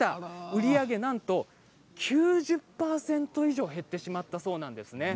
売り上げなんと９０％以上減ってしまったそうなんですね。